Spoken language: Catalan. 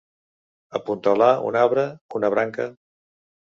Apuntalar un arbre, una branca.